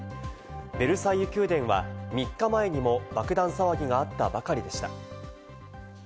ベルサイユ宮殿は３日前にも爆弾騒ぎがあったばかりでした。